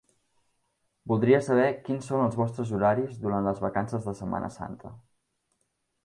Voldria saber quins són els vostres horaris durant les vacances de Setmana Santa.